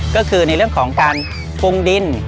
ก็คือในเรื่องของการปรุงดิน